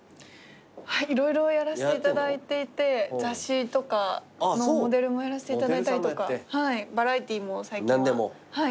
色々やらせていただいていて雑誌とかのモデルもやらせていただいたりとかバラエティーも最近は。